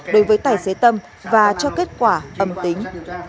đối với tài xế tâm và cho kết quả âm tính